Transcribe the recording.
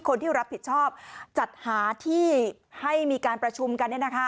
คนที่รับผิดชอบจัดหาที่ให้มีการประชุมกัน